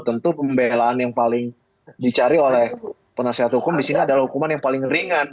tentu pembelaan yang paling dicari oleh penasihat hukum disini adalah hukuman yang paling ringan